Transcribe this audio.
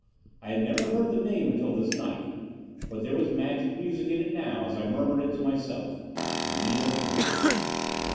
I had never heard the name until this night. But there was magic music in it now, as I murmured it to myself. Anita Prince....